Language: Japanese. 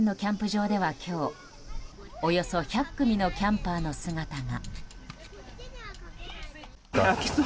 静岡県のキャンプ場では今日およそ１００組のキャンパーの姿が。